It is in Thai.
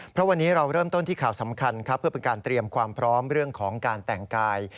เพราะวันนี้เราเริ่มต้นที่ข่าวสำคัญครับเพื่อเป็นการเตรียมความพร้อมเรื่องของการแต่งกาย